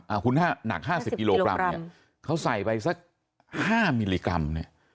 คุณฮะหนักห้าสิบกิโลกรัมเนี่ยเขาใส่ไปสักห้ามิลลิกรัมเนี่ย